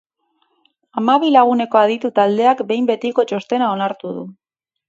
Hamabi laguneko aditu taldeak behin betiko txostena onartu du.